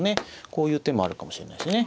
こういう手もあるかもしれないしね。